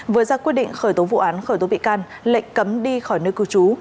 vừa ra quyết định khởi tố vụ án khởi tố bị can lệnh cấm đi khỏi nơi cư trú